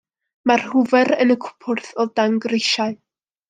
Mae'r hwfer yn y cwpwrdd o dan grisiau.